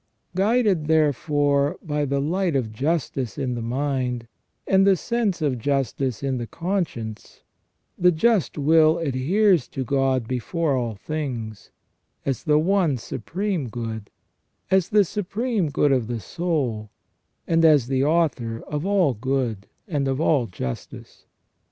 Guided, therefore, by the light of justice in the mind, and the sense of justice in the conscience, the just will adheres to God before all things, as the one Supreme Good, as the Supreme Good of the soul, and as the Author of all good and of all justice.